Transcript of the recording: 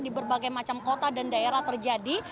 di berbagai macam kota dan daerah terjadi